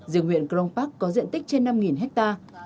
diện nguyện cron park có diện tích trên năm hectare